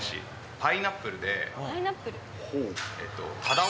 パイナップルでタダオ